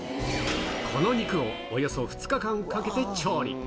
この肉をおよそ２日間かけて調理。